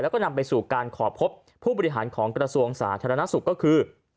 แล้วก็นำไปสู่การขอพบผู้บริหารของกระทรวงสาธารณสุขก็คือ